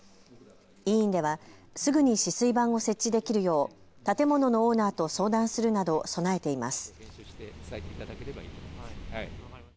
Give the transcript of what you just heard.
医院ではすぐに止水板を設置できるよう建物のオーナーと相談するなど備えています。